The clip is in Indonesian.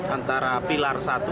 antara pilar satu